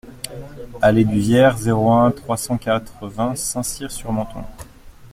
Allée du Vierre, zéro un, trois cent quatre-vingts Saint-Cyr-sur-Menthon